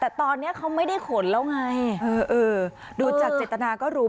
แต่ตอนนี้เขาไม่ได้ขนแล้วไงเออเออดูจากเจตนาก็รู้